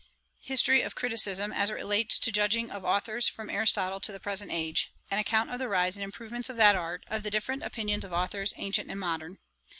'History of Criticism, as it relates to judging of authours, from Aristotle to the present age. An account of the rise and improvements of that art; of the different opinions of authours, ancient and modern.